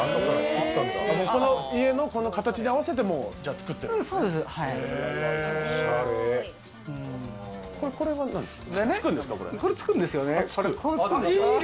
この家の形に合わせて作ってこれ、つくんですよね。